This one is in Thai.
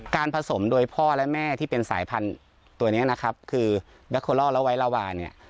การผสมโดยพ่อและแม่ที่เป็นสายพันธุ์ตัวเนี้ยนะครับคือแล้วไว้ลาวาเนี้ย